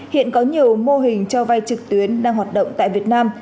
hiện có nhiều mô hình cho vay trực tuyến đang hoạt động tại việt nam